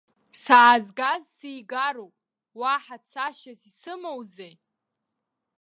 Саазгаз сигароуп, уаҳа цашьас исымоузеи!